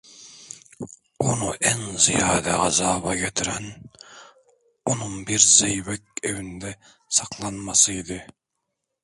Onu en ziyade gazaba getiren, onun bir zeybek evinde saklanması idi!